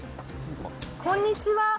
こんにちは。